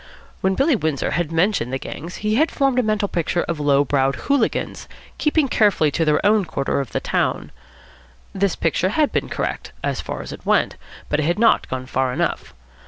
When Billy Windsor had mentioned the gangs, he had formed a mental picture of low browed hooligans, keeping carefully to their own quarter of the town. This picture had been correct, as far as it went, but it had not gone far enough.